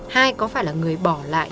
hai có phải là người bỏ lại